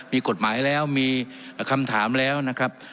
มีกฎหมายแล้วมีคำถามแล้วนะครับ